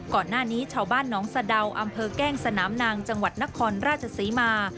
ก่อนหน้านี้ชาวบ้านน้องสะดาวอำเภอแก้งสนามนางจังหวัดนครราชศรีมา